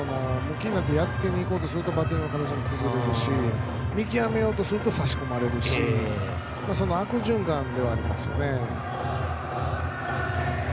気になってやっつけにいこうとするとバッティングも崩れるし見極めようとすると差し込まれるしその悪循環ではありますよね。